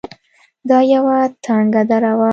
دا يوه تنگه دره وه.